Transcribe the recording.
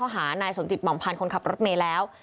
ข้อหานายสมจิตหม่อมพันธ์คนขับรถไหมแล้ว